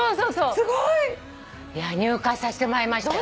すごい！入会させてもらいましたよ。